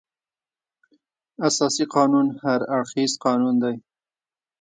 اساسي قانون هر اړخیز قانون دی.